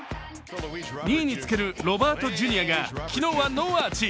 ２位につけるロバート・ジュニアが昨日はノーアーチ。